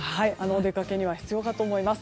お出かけには必要かと思います。